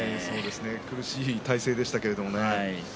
苦しい体勢でしたけれどもね。